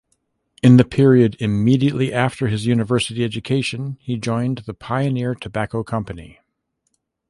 In the period immediately after his university education he joined the Pioneer Tobacco Company.